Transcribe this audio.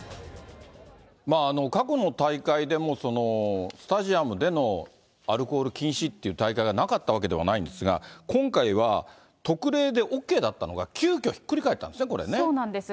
過去の大会でも、スタジアムでのアルコール禁止っていう大会がなかったわけではないんですが、今回は特例でＯＫだったのが、急きょ、ひっくり返ったんですね、そうなんです。